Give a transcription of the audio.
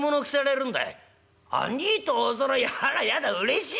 「兄ぃとおそろいあらやだうれしい！」。